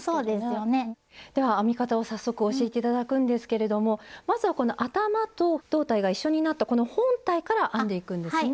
では編み方を早速教えて頂くんですけれどもまずはこの頭と胴体が一緒になったこの本体から編んでいくんですね。